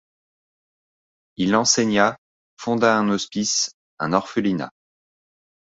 Il enseigna, fonda un hospice, un orphelinat.